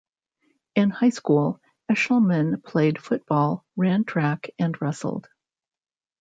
In high school, Eshleman played football, ran track and wrestled.